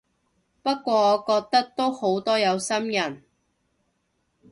不過我覺得都好多有心人